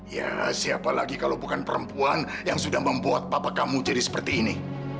ya siapa lagi kalau bukan perempuan yang sudah membuat papa kamu jadi seperti ini